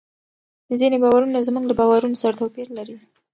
ځینې باورونه زموږ له باورونو سره توپیر لري.